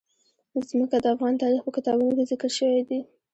ځمکه د افغان تاریخ په کتابونو کې ذکر شوی دي.